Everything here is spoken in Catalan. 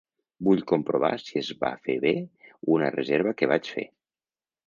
Vull comprovar si es va fer be una reserva que vaig fer.